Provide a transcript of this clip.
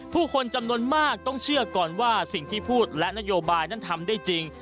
ผู้คนจำนวนมากต้องเชื่อก่อนว่าสิ่งที่พูดและนโยบายนั้นทำได้จริง